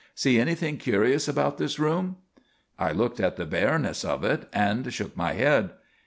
See anything curious about this room?" I looked at the bareness of it and shook my head.